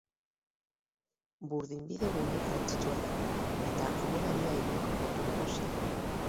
Burdinbide-gune garrantzitsua da eta Amu Daria ibaiko portu nagusia.